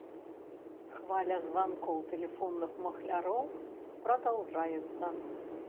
Хваля званкоў тэлефонных махляроў прадаўжаецца.